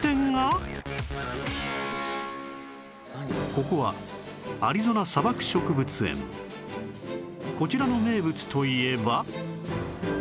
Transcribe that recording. ここはこちらの名物といえば